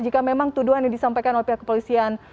jika memang tuduhan yang disampaikan oleh pihak kepolisian